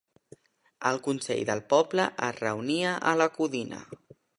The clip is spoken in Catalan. El Consell del Poble es reunia a la Codina.